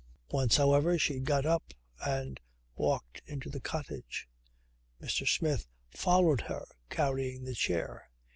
Once, however, she got up and walked into the cottage. Mr. Smith followed her carrying the chair.